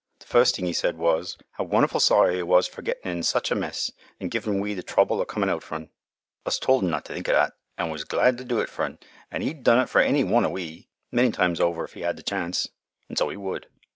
Th' first thing 'e said was, how wonderfu' sorry 'e was o' gettin' into such a mess an' givin' we th' trouble o' comin' out for un. Us tol' un not to think o' that; us was glad to do it for un, an' 'e'd done it for any one o' we, many times over if 'e 'ad th' chance; an' so 'e would.